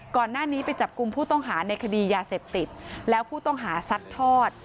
ก่อนหน้านี้ไปจับกลุ่มผู้ต้องหาในคดียาเสพติดแล้วผู้ต้องหาซัดทอด